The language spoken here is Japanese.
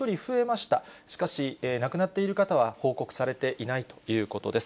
しかし、亡くなっている方は報告されていないということです。